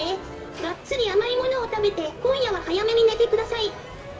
がっつり甘いものを食べて、今夜は早めに寝てください。